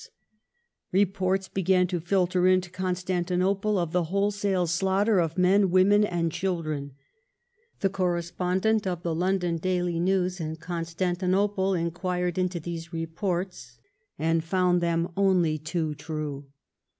Re ACHILLES RECALLED 327 ports began to filter into Constantinople of the wholesale slaughter of men, women, and children. The correspondent of the London " Daily News " in Constantinople inquired into these reports and found them only too true.